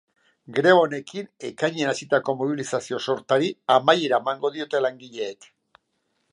Greba honekin, ekainean hasitako mobilizazio sortari amaiera emango diote langileek.